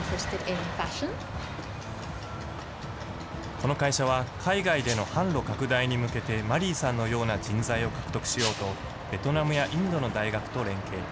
この会社は、海外での販路拡大に向けて、マリーさんのような人材を獲得しようと、ベトナムやインドの大学と連携。